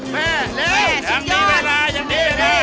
แม่ชิคกี้พายอย่างนี้เลยน่าแม่อย่างนีเลยนะ